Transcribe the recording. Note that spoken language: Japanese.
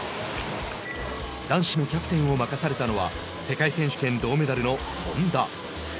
男子のキャプテンを任されたのは世界選手権銅メダルの本多。